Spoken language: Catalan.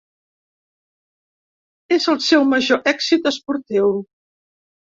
És el seu major èxit esportiu.